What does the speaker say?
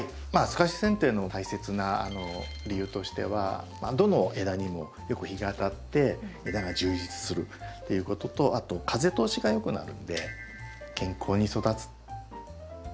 すかしせん定の大切な理由としてはどの枝にもよく日が当たって枝が充実するっていうこととあと風通しが良くなるので健康に育つ。